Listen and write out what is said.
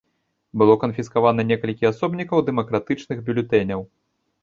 Было канфіскавана некалькі асобнікаў дэмакратычных бюлетэняў.